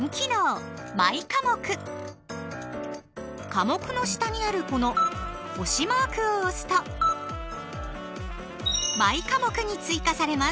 科目の下にあるこの星マークを押すと「マイ科目」に追加されます！